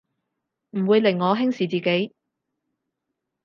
唔會令我輕視自己